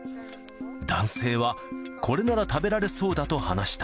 男性は、これなら食べられそうだと話した。